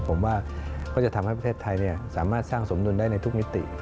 ผมว่าก็จะทำให้ประเทศไทยสามารถสร้างสมดุลได้ในทุกมิติ